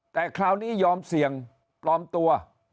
แต่คราวนี้ยอมเสี่ยงปลอมตัว